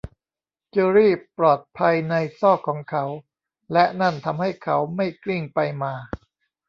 เจอร์รี่ปลอดภัยในซอกของเขา และนั้นทำให้เขาไม่กลิ้งไปมา